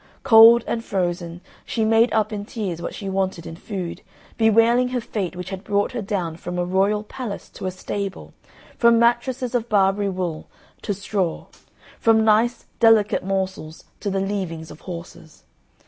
Cold and frozen, she made up in tears what she wanted in food, bewailing her fate which had brought her down from a royal palace to a stable, from mattresses of Barbary wool to straw, from nice, delicate morsels to the leavings of horses.